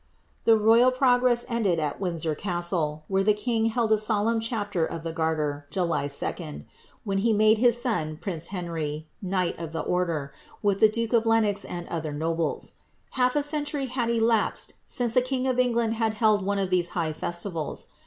The royal progress ended at Windsor Castle, where the king held a flolema chapter of the Garter, July 2, when he made his son, prince Henry, knight of the order, with the duke of Lenox and other nobles. Haifa century had elapsed since a king of England had held one of these high festivals.